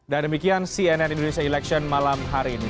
dan demikian cnn indonesia election malam hari ini